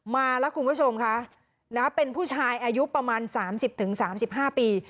มาแล้วคุณผู้ชมค่ะนะเป็นผู้ชายอายุประมาณ๓๐๓๕ปี